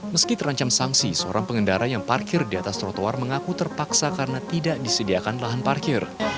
meski terancam sanksi seorang pengendara yang parkir di atas trotoar mengaku terpaksa karena tidak disediakan lahan parkir